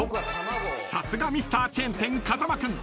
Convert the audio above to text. ［さすがＭｒ．チェーン店風間君］